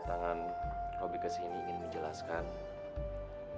kalau itu oregon balik ke nanti hujan sudah psikolog